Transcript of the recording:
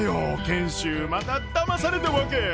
賢秀まただまされたわけ！